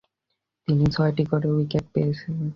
তিনি ছয়টি করে উইকেট পেয়েছিলেন।